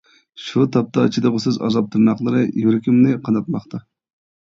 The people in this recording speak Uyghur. شۇ تاپتا چىدىغۇسىز ئازاب تىرناقلىرى يۈرىكىمنى قاناتماقتا.